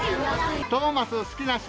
トーマス好きな人？